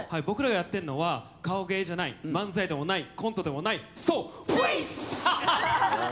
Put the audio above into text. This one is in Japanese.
僕らがやってんのは顔芸じゃない漫才でもないコントでもないそうフェイス！